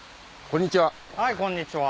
こんにちは。